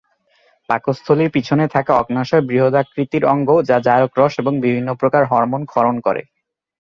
পাকস্থলীর পিছনে থাকা অগ্ন্যাশয় বৃহদাকৃতির অঙ্গ; যা জারক রস এবং বিভিন্ন প্রকার হরমোন ক্ষরণ করে।